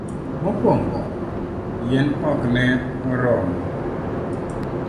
mokuongo. yien ok ne oromo